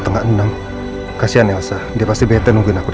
tidak ada yang bisa dihukum